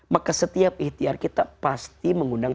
maka setiap ikhtiar kita pasti mengundang